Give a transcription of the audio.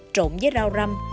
trộn với rau răm